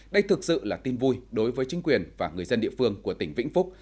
đây thực sự là tin vui đối với chính quyền và người dân địa phương của tỉnh vĩnh phúc